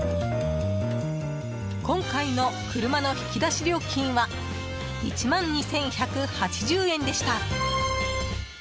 今回の車の引き出し料金は１万２１８０円でした。